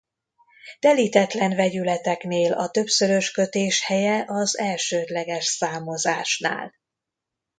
Telítetlen vegyületeknél a többszörös kötés helye az elsődleges számozásnál.